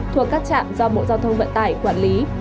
thuộc các trạm do bộ giao thông vận tải quản lý